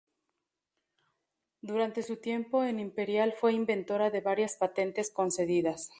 Durante su tiempo en Imperial fue inventora de varias patentes concedidas.